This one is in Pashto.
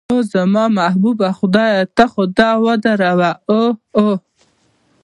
اوه، زما محبوب خدایه ته خو دا ودروه، اوه اوه اوه.